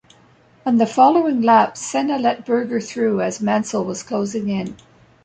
On the following lap Senna let Berger through as Mansell was closing in.